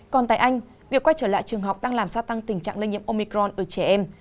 còn tại anh việc quay trở lại trường học đang làm gia tăng tình trạng lây nhiễm omicron ở trẻ em